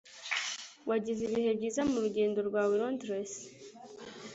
Wagize ibihe byiza murugendo rwawe i Londres?